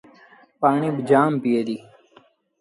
پآڻيٚ با جآم پيٚئي ديٚ۔